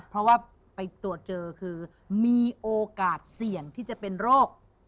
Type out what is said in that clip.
เพราะว่าไปตรวจเจอคือมีโอกาสเสี่ยงที่จะเป็นโรค